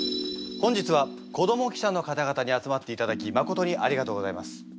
本日は子ども記者の方々に集まっていただきまことにありがとうございます。